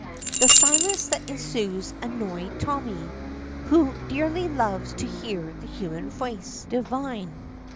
The silence that ensues annoys Tommy, who dearly loves to hear the human voice divine.